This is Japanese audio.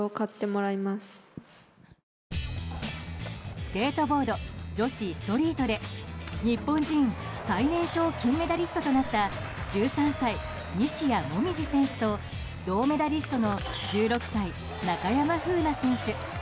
スケートボード女子ストリートで日本人最年少金メダリストとなった１３歳、西矢椛選手と銅メダリストの１６歳中山楓奈選手。